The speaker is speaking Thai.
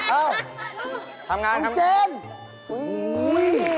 อ้าวทำงานว้าวอ๋อพร้อมเจน